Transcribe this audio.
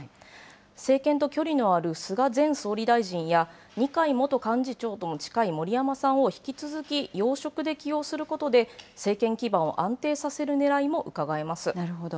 政権と距離のある菅前総理大臣や二階元幹事長とも近い森山さんを引き続き要職で起用することで、政権基盤を安定させるねらいもうなるほど。